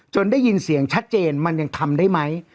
ได้ยินเสียงชัดเจนมันยังทำได้ไหม